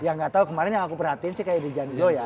ya gak tau kemarin yang aku perhatiin sih kayak the john dan glo ya